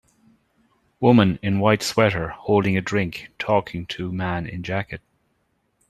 Woman in white sweater, holding a drink, talking to man in jacket.